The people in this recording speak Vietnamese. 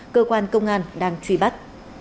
cơ quan công an đang truy bắt